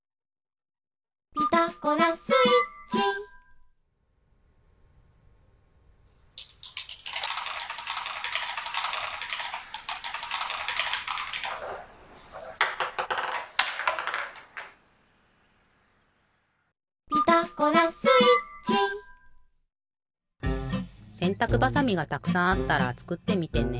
「ピタゴラスイッチ」「ピタゴラスイッチ」せんたくばさみがたくさんあったらつくってみてね。